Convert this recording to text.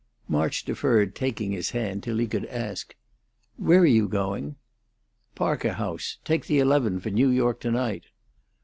March deferred taking his hand till he could ask, "Where are you going?" "Parker House. Take the eleven for New York to night."